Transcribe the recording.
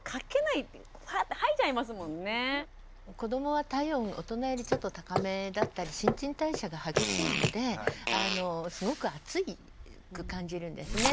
子どもは体温大人よりちょっと高めだったり新陳代謝が激しいのですごく暑く感じるんですね。